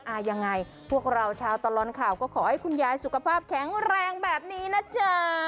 ยังไงพวกเราชาวตลอดข่าวก็ขอให้คุณยายสุขภาพแข็งแรงแบบนี้นะจ๊ะ